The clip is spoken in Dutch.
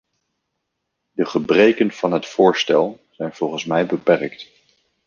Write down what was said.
De gebreken van het voorstel zijn volgens mij beperkt.